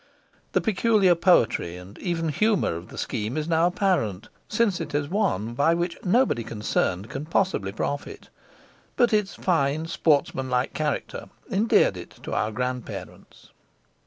The peculiar poetry and even humour of the scheme is now apparent, since it is one by which nobody concerned can possibly profit; but its fine, sportsmanlike character endeared it to our grandparents.